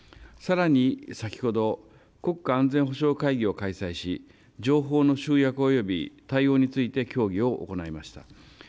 さらに先ほど国家安全保障会議を開催し情報の集約、および対応について協議を行いました。